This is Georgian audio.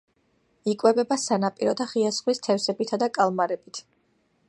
იკვებება სანაპირო და ღია ზღვის თევზებითა და კალმარებით.